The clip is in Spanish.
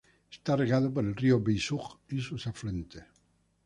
Está regado por el río Beisug y sus afluentes.